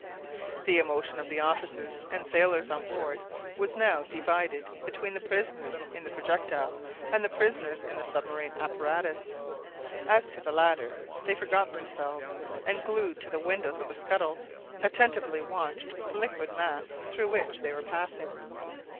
The emotion of the officers and sailors on board was now divided between the prisoners in the projectile and the prisoners in the submarine apparatus. As to the latter, they forgot themselves, and, glued to the windows of the scuttles, attentively watched the liquid mass through which they were passing.